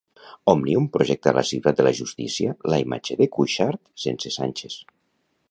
Òmnium projecta a la Ciutat de la Justícia la imatge de Cuixart sense Sànchez.